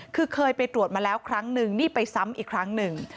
คือเคยไปตรวจมาแล้วครั้งนึงนี่ไปซ้ำอีกครั้งหนึ่ง